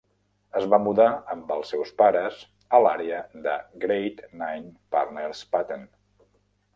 Es va mudar amb els seus pares a l'àrea de Great Nine Partners Patent.